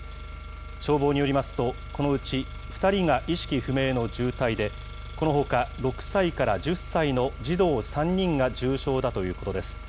消防によりますと、このうち２人が意識不明の重体で、このほか６歳から１０歳の児童３人が重傷だということです。